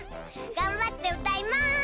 がんばってうたいます。